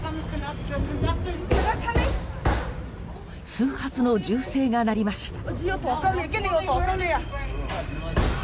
数発の銃声が鳴りました。